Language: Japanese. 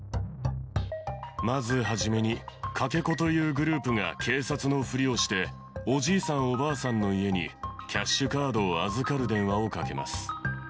まず初めに、掛け子というグループが警察のふりをして、おじいさん、おばあさんの家にキャッシュカードを預かる電話をかけます。